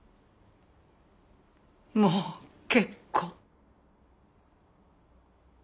もう結構。